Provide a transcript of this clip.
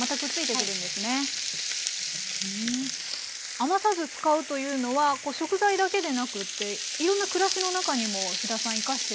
余さず使うというのは食材だけでなくっていろんな暮らしの中にも飛田さん生かしてるんですよね。